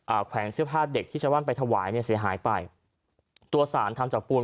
แขวนเสื้อผ้าเด็กที่ชาวบ้านไปถวายเนี่ยเสียหายไปตัวสารทำจากปูน